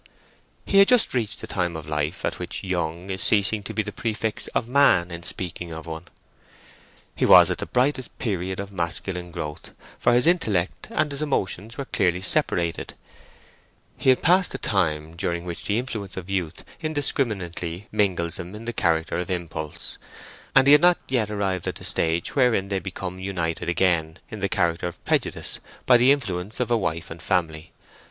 He had just reached the time of life at which "young" is ceasing to be the prefix of "man" in speaking of one. He was at the brightest period of masculine growth, for his intellect and his emotions were clearly separated: he had passed the time during which the influence of youth indiscriminately mingles them in the character of impulse, and he had not yet arrived at the stage wherein they become united again, in the character of prejudice, by the influence of a wife and family.